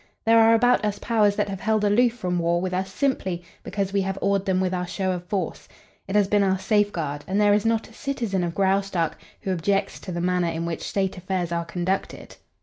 There are about us powers that have held aloof from war with us simply because we have awed them with our show of force. It has been our safeguard, and there is not a citizen of Graustark who objects to the manner in which state affairs are conducted.